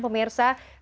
pemirsa terima kasih